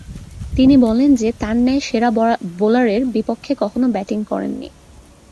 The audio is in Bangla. তিনি বলেন যে, তার ন্যায় সেরা বোলারের বিপক্ষে কখনো ব্যাটিং করেননি।